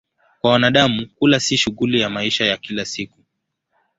Kwa wanadamu, kula ni shughuli ya maisha ya kila siku.